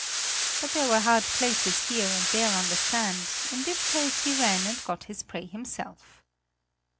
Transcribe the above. But there were hard places here and there on the sand; in that case he ran and got his prey himself.